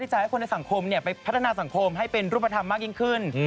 จะให้คนในสังคมไปพัฒนาสังคมให้เป็นรูปธรรมมากยิ่งขึ้น